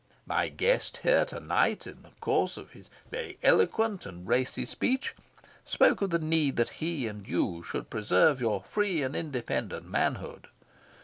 My guest here to night, in the course of his very eloquent and racy speech, spoke of the need that he and you should preserve your 'free and independent manhood.